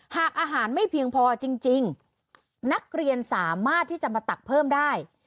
หากอาหารไม่เพียงพอจริงนักเรียนสามารถที่จะมาตักเพิ่มได้